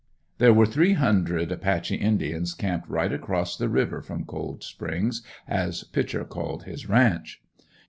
There were three hundred Apache indians camped right across the river from "Cold Springs," as Pitcher called his ranch.